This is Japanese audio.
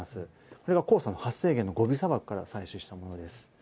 これが黄砂の発生源、ゴビ砂漠から採取したものです。